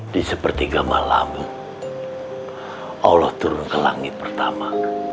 di sepertiga malam allah turun ke langit pertama